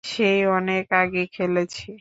সেই অনেক আগে খেলেছি।